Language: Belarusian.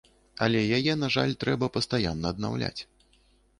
Але яе, на жаль, трэба пастаянна аднаўляць.